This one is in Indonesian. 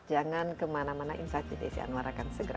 jangan kemana mana insati desi anwar akan segera